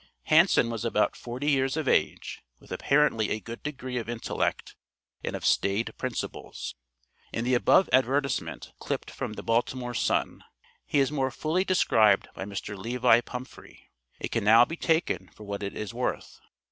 Hanson was about forty years of age, with apparently a good degree of intellect, and of staid principles. In the above advertisement clipped from the Baltimore Sun, he is more fully described by Mr. Levi Pumphrey; it can now be taken for what it is worth.